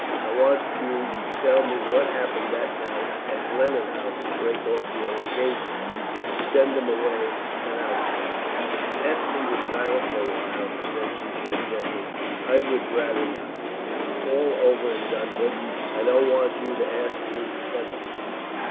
I want you to tell me what happened that night at Lennon House to break off your engagement, to send him away an outcast." Ethne was silent for a while, and then she said gently: "I would rather not. It is all over and done with. I don't want you to ask me ever."